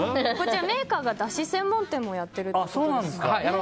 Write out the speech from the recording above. メーカーがだし専門店もやってるということですね。